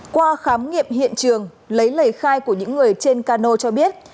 qua khám nghiệm hiện trường lấy lời khai của những người trên cano cho biết